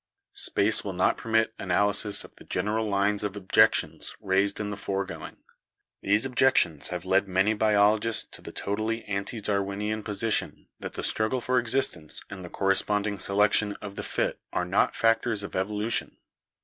Space will not permit analysis of the general lines of objections raised in the foregoing. These objections have led many biologists to the totally ante Darwinian position that the struggle for existence and the corresponding selection of the fit are not factors of evolution.